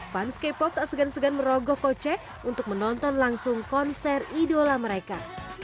fans k pop tak segan segan merogoh kocek untuk menonton langsung konser idola mereka